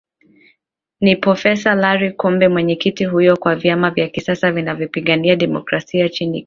ni pofesa lari kumbi mwenyekiti huyo wa vyama vya kisiasa vinavyopigania demokrasia nchini kenya